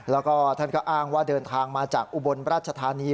แล้วก็ท่านก็อ้างว่าเดินทางมาจากอุบลราชธานี